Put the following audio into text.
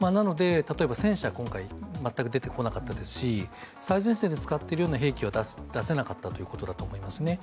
戦車、今回全く出てこなかったですし最前線で使ってるような兵器は出せなかったということだと思います。